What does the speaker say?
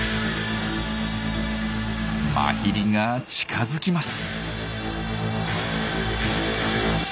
マヒリが近づきます。